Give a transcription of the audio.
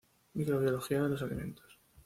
Microbiología de los alimentos.